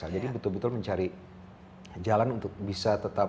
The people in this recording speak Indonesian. jadi betul betul mencari jalan untuk bisa tetap